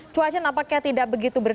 cuaca nampaknya tidak begitu bersih